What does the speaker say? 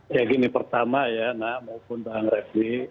ya gini pertama ya nak maupun tuan refni